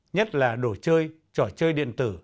nhất là đồ chơi trò chơi điện tử